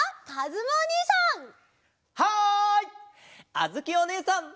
あづきおねえさん！